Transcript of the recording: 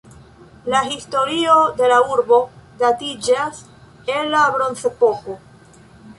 La historio de la urbo datiĝas el la Bronzepoko.